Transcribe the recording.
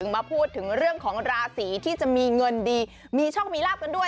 มาพูดถึงเรื่องของราศีที่จะมีเงินดีมีโชคมีลาบกันด้วย